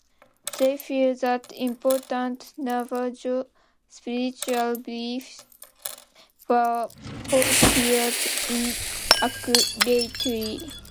They feel that important Navajo spiritual beliefs were portrayed inaccurately.